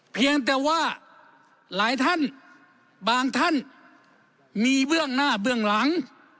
เพียงแต่ว่าหลายท่านบางท่านมีเบื้องหน้าเบื้องหลัง